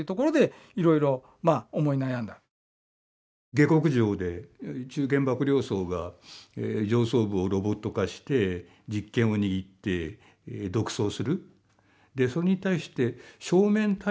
下克上で中堅幕僚層が上層部をロボット化して実権を握って独走する。